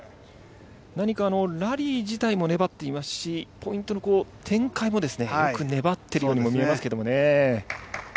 何かラリー自体も粘っていますし、ポイントのこう、展開もですね、よく粘っているようにも見えますけれどもね。